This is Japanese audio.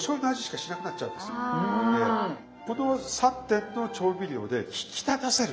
この３点の調味料で引き立たせる。